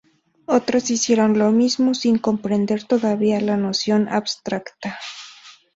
Otros hicieron lo mismo, sin comprender todavía la noción abstracta.